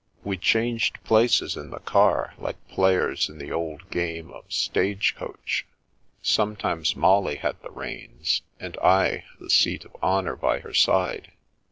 We changed places in the car, like players in the old game of " stage coach." Sometimes Molly had the reins, and I the seat of honour by her side.